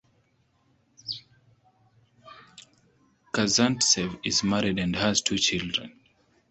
Kazantsev is married and has two children.